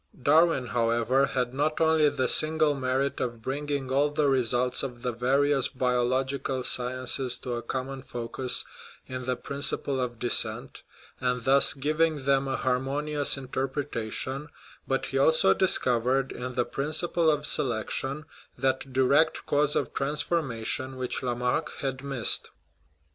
Darwin, however, had not only the signal merit of bringing all the results of the various biological sciences to a common focus in the principle of descent, and thus giving them a harmonious interpretation, but he also discovered, in the principle of selection, that direct cause of transformation which Lamarck had missed.